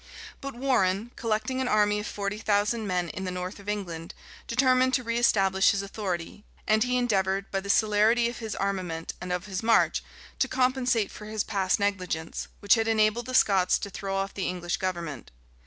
But Warrenne, collecting an army of forty thousand men in the north of England, determined to reëstablish his authority; and he endeavored, by the celerity of his armament and of his march, to compensate for his past negligence, which had enabled the Scots to throw off the English government.